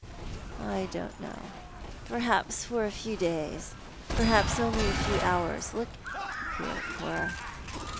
" I don't know. Perhaps for a few days — perhaps only a few hours. Look here, Cora.